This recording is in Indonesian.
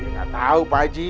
kagak tau pak ji